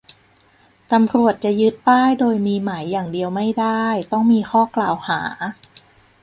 ตำรวจจะยึดป้าย โดยมีหมายอย่างเดียวไม่ได้ ต้องมีข้อกล่าวหา